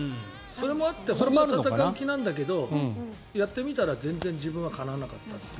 それもあって戦う気なんだけどやってみたら全然自分はかなわなかったと。